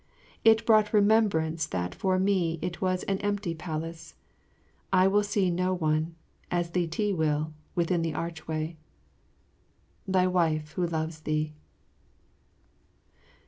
It brought remembrance that for me it was an empty palace. I will see no one as Li ti will within the archway. Thy Wife Who Loves Thee.